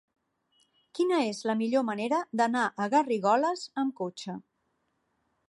Quina és la millor manera d'anar a Garrigoles amb cotxe?